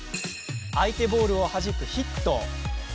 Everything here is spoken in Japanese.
相手ボールをはじくヒット。